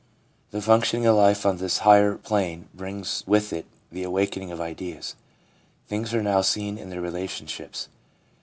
The functioning of life on this higher plane brings with it the awakening of ideas. Things are now seen in their relationships.